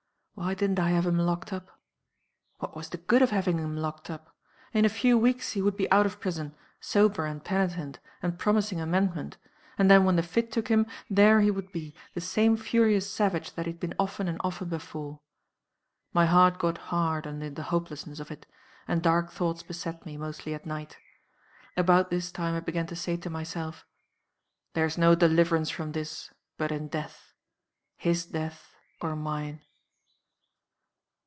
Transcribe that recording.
Why didn't I have him locked up? What was the good of having him locked up? In a few weeks he would be out of prison; sober and penitent, and promising amendment and then when the fit took him, there he would be, the same furious savage that he had been often and often before. My heart got hard under the hopelessness of it; and dark thoughts beset me, mostly at night. About this time I began to say to myself, 'There's no deliverance from this, but in death his death or mine.